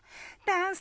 ダンス！